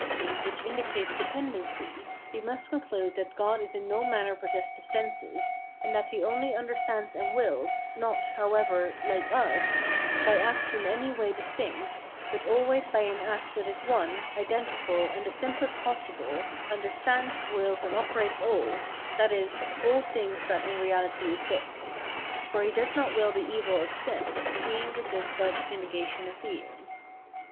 ] which indicates dependency, we must conclude that God is in no manner possessed of senses, and that he only understands and wills, not, however, like us, by acts in any way distinct, but always by an act that is one, identical, and the simplest possible, understands, wills, and operates all, that is, all things that in reality exist; for he does not will the evil of sin, seeing this is but the negation of being.